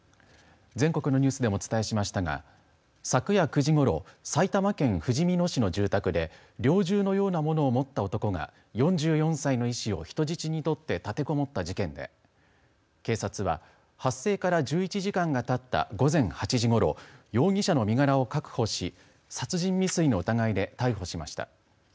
全国のニュースでもお伝えしましたが昨夜９時ごろ埼玉県ふじみ野市の住宅で猟銃のようなものを持った男が４４歳の医師を人質にとって立てこもった事件で警察は発生から１１時間がたった午前８時ごろ容疑者の身柄を確保し殺人未遂の疑いで逮捕しました。